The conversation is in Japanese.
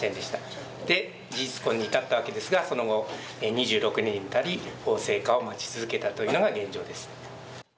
で事実婚に至ったわけですがその後２６年に至り法制化を待ち続けたというのが現状です。